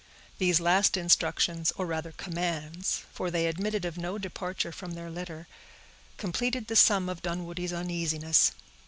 These last instructions, or rather commands, for they admitted of no departure from their letter, completed the sum of Dunwoodie's uneasiness.